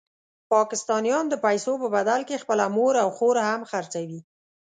پاکستانیان د پیسو په بدل کې خپله مور او خور هم خرڅوي.